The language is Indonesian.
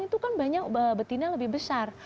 kalau dalam dunia binatang itu kan banyak betina lebih besar